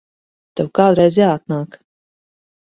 Tev kādreiz jāatnāk.